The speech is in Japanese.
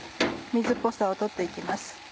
水っぽさを取って行きます。